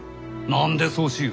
何でそうしゆう？